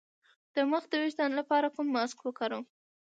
د مخ د ويښتانو لپاره کوم ماسک وکاروم؟